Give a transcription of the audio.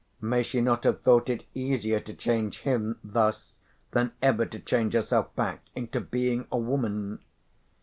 May she not have thought it easier to change him thus than ever to change herself back into being a woman?